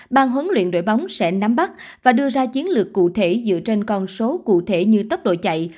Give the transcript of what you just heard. ban huấn luyện đội bóng sẽ nắm bắt và đưa ra chiến lược cụ thể dựa trên con số cụ thể như tốc độ chạy